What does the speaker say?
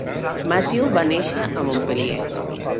Mathieu va néixer a Montpellier.